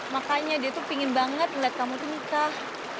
makanya dia tuh pingin banget ngeliat kamu tuh nikah